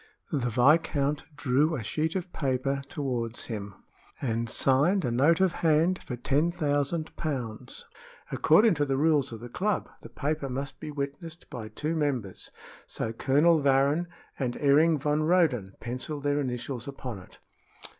The viscount drew a sheet of paper toward him and signed a note of hand for ten thousand pounds. According to the rules of the club, the paper must be witnessed by two members, so Colonel Varrin and Ering van Roden penciled their initials upon it.